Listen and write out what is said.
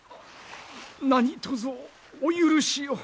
何とぞお許しを。